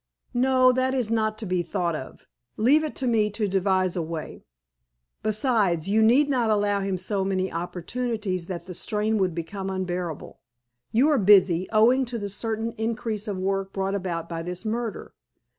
"No. That is not to be thought of. Leave it to me to devise a way. Besides, you need not allow him so many opportunities that the strain would become unbearable. You are busy, owing to the certain increase of work brought about by this murder.